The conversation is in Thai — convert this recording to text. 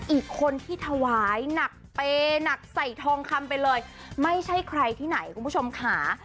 อีกคนที่ถวายหนักเปย์หนักใส่ทองคำไปเลยไม่ใช่ใครที่ไหนคุณผู้ชมค่ะ